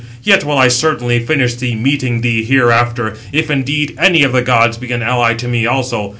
Yet will I certainly finish thee, meeting thee hereafter, if indeed any of the gods be an ally to me also.